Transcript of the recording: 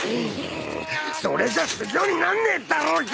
それじゃ修行になんねえだろうが！